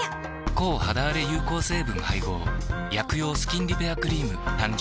抗肌あれ有効成分配合薬用スキンリペアクリーム誕生